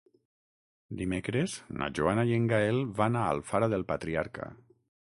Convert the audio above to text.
Dimecres na Joana i en Gaël van a Alfara del Patriarca.